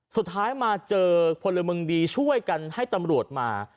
สุดท้ายมาเจอพลเมืองดีช่วยกันให้ตำรวจมา